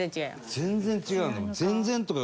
全然違うの？